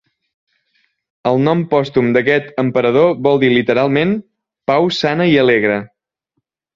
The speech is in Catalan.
El nom pòstum d'aquest emperador vol dir literalment "pau sana i alegre".